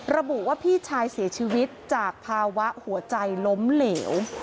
ระบุว่าพี่ชายเสียชีวิตจากภาวะหัวใจล้มเหลว